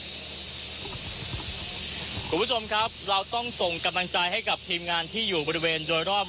คุณผู้ชมครับเราต้องส่งกำลังใจให้กับทีมงานที่อยู่บริเวณโดยรอบ